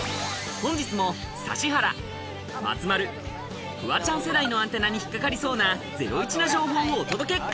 本日も指原、松丸、フワちゃん世代のアンテナに引っ掛かりそうなゼロイチな情報をお届け！